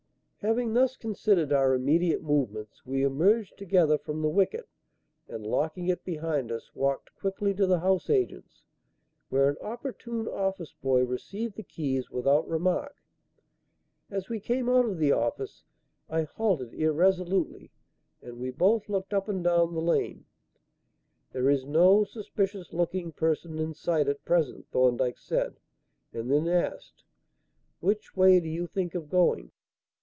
Having thus considered our immediate movements, we emerged together from the wicket, and locking it behind us, walked quickly to the house agents', where an opportune office boy received the keys without remark. As we came out of the office, I halted irresolutely and we both looked up and down the lane. "There is no suspicious looking person in sight at present," Thorndyke said, and then asked: "Which way do you think of going?"